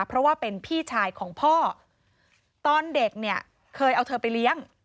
เพราะว่าเป็นพี่ชายของพ่อตอนเด็กเนี่ยเคยเอาเธอไปเลี้ยง